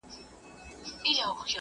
خزان یې مه کړې الهي تازه ګلونه.